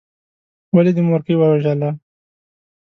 ولې دې مورکۍ ووژله.